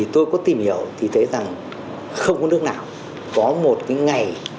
tôi có tìm hiểu thì thấy rằng không có nước nào có một cái ngày